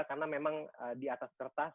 karena memang di atas kertas